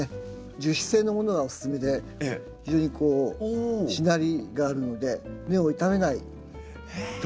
樹脂製のものがおすすめで非常にこうしなりがあるので根を傷めない特徴があります。